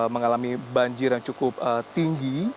mengalami banjir yang cukup tinggi